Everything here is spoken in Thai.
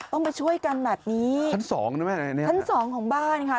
ต้องมาช่วยกันแบบนี้ชั้นสองใช่ไหมชั้นสองของบ้านค่ะ